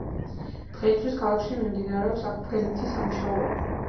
დღეისათვის ქალაქში მიმდინარეობს აღდგენითი სამუშაოები.